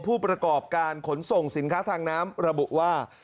ผู้ประกอบการขนส่งสินค้าทางน้ำระบุว่า